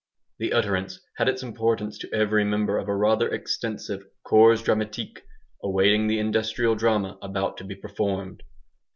The utterance had its importance to every member of a rather extensive "CORPS DRAMATIQUE" awaiting the industrial drama about to be performed.